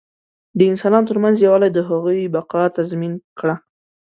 د انسانانو تر منځ یووالي د هغوی بقا تضمین کړه.